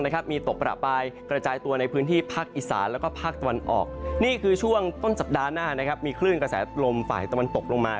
นี่คือช่วงต้นสัปดาห์หน้านะครับมีคลื่นกระแสลมฝ่ายตะวันตกลงมา